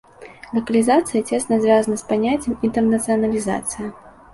Лакалізацыя цесна звязана з паняццем інтэрнацыяналізацыі.